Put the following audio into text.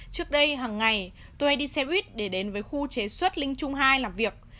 trước đây hằng ngày tôi đi xe buýt để đến với khu chế xuất linh trung hai làm việc